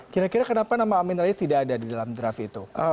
kira kira kenapa nama amin rais tidak ada di dalam draft itu